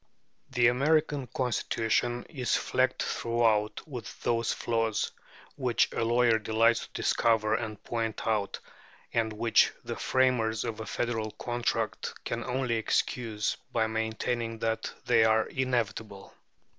The American Constitution is flecked throughout with those flaws which a lawyer delights to discover and point out, and which the framers of a federal contract can only excuse by maintaining that they are inevitable.